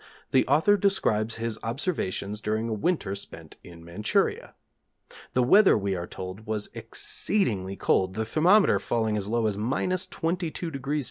the author describes his observations during a winter spent in Manchuria. The weather, we are told, was exceedingly cold, the thermometer falling as low as minus 22° F.